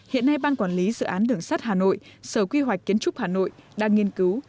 hiện nay ban quản lý dự án đường sắt hà nội sở quy hoạch kiến trúc hà nội đang nghiên cứu